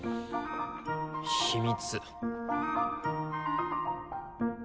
秘密。